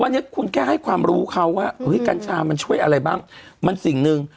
วันนี้คุณแค่ให้ความรู้เขาว่าเฮ้ยกัญชามันช่วยอะไรบ้างมันสิ่งหนึ่ง